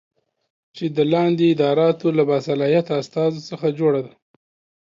چې د لاندې اداراتو له باصلاحیته استازو څخه جوړه دی